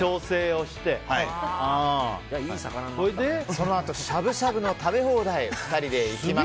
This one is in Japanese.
そのあとしゃぶしゃぶの食べ放題に行きました。